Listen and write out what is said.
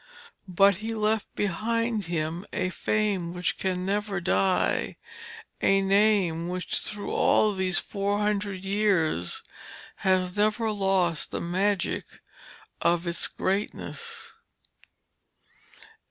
But he left behind him a fame which can never die, a name which through all these four hundred years has never lost the magic of its greatness.